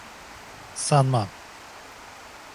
Sanmam.